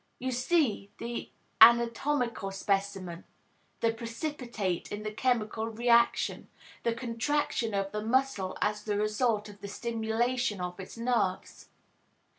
You see the anatomical specimen, the precipitate in the chemical reaction, the contraction of the muscle as the result of the stimulation of its nerves.